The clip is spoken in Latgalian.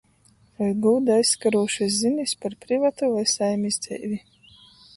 Voi gūdu aizskarūšys zinis par privatu voi saimis dzeivi.